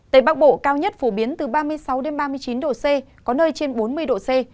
tây bắc bộ cao nhất phổ biến từ ba mươi sáu ba mươi chín độ c có nơi trên bốn mươi độ c